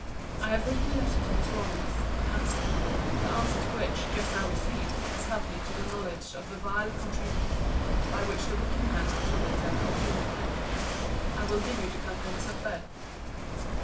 I have written a letter to Miss Rawlins, of Hampstead; the answer to which, just now received, has helped me to the knowledge of the vile contrivance, by which the wicked man got your letter of June the 10th. I will give you the contents of both.